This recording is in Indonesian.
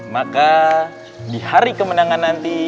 maka di hari kemenangan nanti